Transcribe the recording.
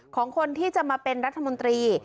ของคนที่จะมาเป็นรัฐมนตรี